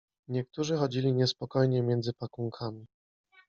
Niektórzy chodzili niespokojnie między pakunkami.